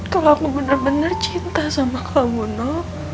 kalau aku bener bener cinta sama kamu no